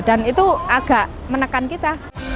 dan itu agak menekan kita